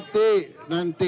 terima kasih ya